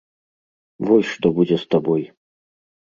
Вось што будзе з табой.